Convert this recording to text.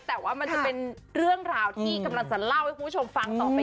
แต่ว่ามันจะเป็นเรื่องราวที่กำลังจะเล่าให้คุณผู้ชมฟังต่อไป